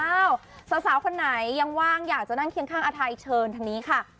สาวคนไหนยังว่างอยากจะนั่งเคียงข้างอาทัยเชิญทางนี้ค่ะ